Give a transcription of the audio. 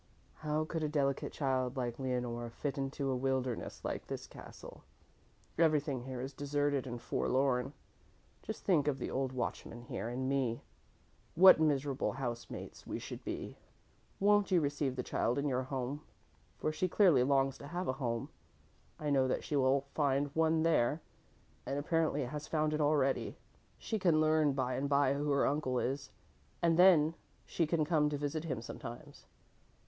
How could a delicate child like Leonore fit into a wilderness like this castle. Everything here is deserted and forlorn. Just think of the old watchman here and me, what miserable housemates we should be. Won't you receive the child in your house, for she clearly longs to have a home? I know that she will find one there and apparently has found it already. She can learn by and by who her uncle is and then she can come to visit him sometimes."